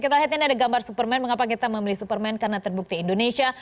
kita lihat ini ada gambar superman mengapa kita membeli superman karena terbukti indonesia